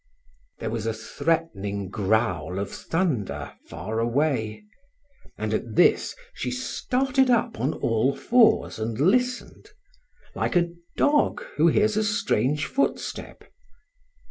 There was a threatening growl of thunder far away, and at this she started up on all fours and listened, like a dog who hears a strange footstep.